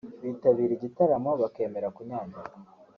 bitabira igitaramo bakemera kunyagirwa